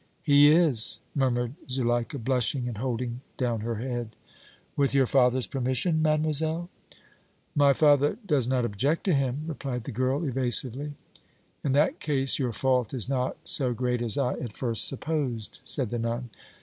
"He is," murmured Zuleika, blushing and holding down her head. "With your father's permission, mademoiselle?" "My father does not object to him," replied the girl evasively. "In that case your fault is not so great as I at first supposed," said the nun.